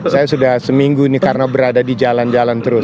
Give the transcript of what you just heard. saya sudah seminggu ini karena berada di jalan jalan terus